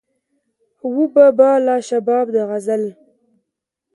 وو به به لا شباب د غزل